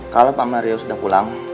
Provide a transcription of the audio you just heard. kalau pak mario sudah pulang